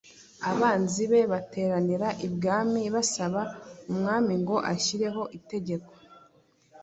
Abanzi be bateranira i bwami basaba umwami ngo ashyireho itegeko